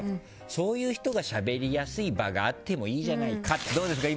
そういう人がしゃべりやすい場があってもいいじゃないかということですよね。